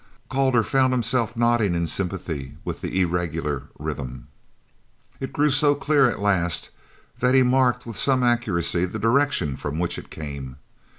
Calder found himself nodding in sympathy with the irregular rhythm. It grew so clear at last that he marked with some accuracy the direction from which it came.